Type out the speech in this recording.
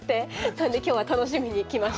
なので今日は楽しみにきました。